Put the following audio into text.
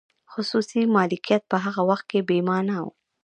خصوصي مالکیت په هغه وخت کې بې مانا و.